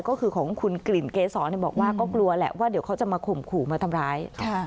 ก็คือของคุณกลิ่นเกษรบอกว่าก็กลัวแหละว่าเดี๋ยวเขาจะมาข่มขู่มาทำร้าย